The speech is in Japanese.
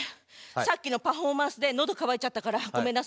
さっきのパフォーマンスで喉渇いちゃったからごめんなさいね。